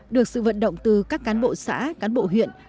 được sự vận động từ các cán bộ xã cán bộ huyện